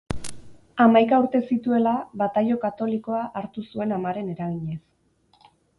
Hamaika urte zituela, bataio katolikoa hartu zuen amaren eraginez.